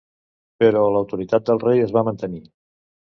Però l'autoritat del rei es va mantenir.